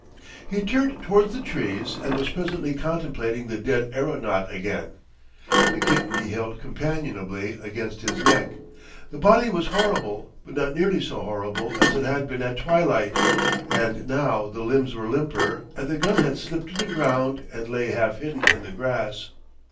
He turned towards the trees, and was presently contemplating the dead aeronaut again. The kitten he held companionably against his neck. The body was horrible, but not nearly so horrible as it had been at twilight, and now the limbs were limper and the gun had slipped to the ground and lay half hidden in the grass.